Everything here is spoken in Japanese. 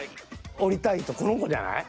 おりたい人この子じゃない？